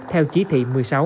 theo chí thị một mươi sáu